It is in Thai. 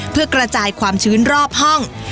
เพื่อกระจายความชื้นรอบห้อง